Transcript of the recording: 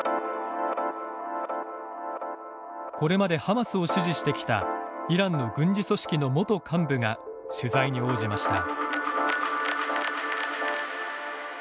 これまでハマスを支持してきたイランの軍事組織の元幹部が取材に応じました。